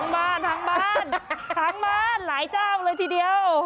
บ้านทั้งบ้านทั้งบ้านหลายเจ้าเลยทีเดียว